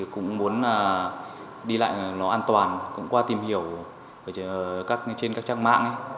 cũng muốn đi lại nó an toàn cũng qua tìm hiểu trên các trang mạng